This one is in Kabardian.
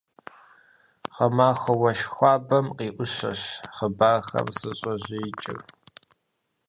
Гъэмахуэ уэшх хуабэм, къиӏущэщ хъыбархэм сыщӏэжеикӏырт.